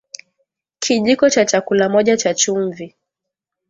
Kijiko cha chakula moja cha chumvi